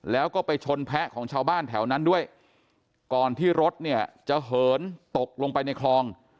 แล้วก็ไปชนแพะของชาวบ้านแถวนั้นด้วยก่อนที่รถเนี่ยจะเหินตกลงไปในคลอง